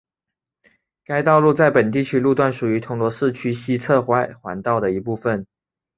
该道路在本地区路段属于铜锣市区西侧外环道的一部分。